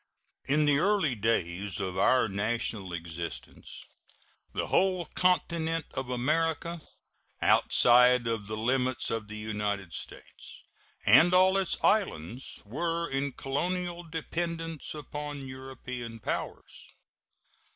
In the early days of our national existence the whole continent of America (outside of the limits of the United States) and all its islands were in colonial dependence upon European powers.